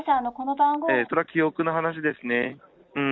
それは記憶の話ですね。